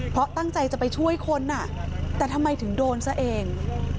เพราะตั้งใจจะไปช่วยคนแต่ทำไมถึงโดนซะเอง